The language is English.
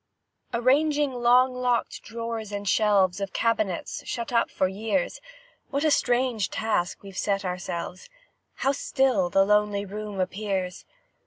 Arranging long locked drawers and shelves Of cabinets, shut up for years, What a strange task we've set ourselves! How still the lonely room appears!